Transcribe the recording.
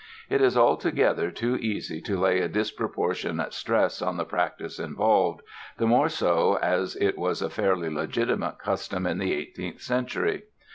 It is altogether too easy to lay a disproportionate stress on the practice involved, the more so as it was a fairly legitimate custom in the Eighteenth Century.